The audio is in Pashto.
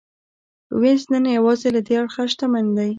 وینز نن یوازې له دې اړخه شتمن دی.